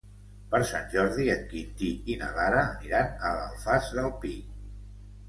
Per Sant Jordi en Quintí i na Lara aniran a l'Alfàs del Pi.